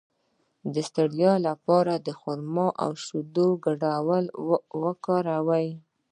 د ستړیا لپاره د خرما او شیدو ګډول وکاروئ